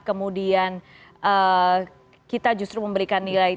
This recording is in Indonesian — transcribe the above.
kemudian kita justru memberikan nilai